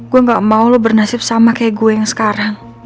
gue gak mau lo bernasib sama kayak gue yang sekarang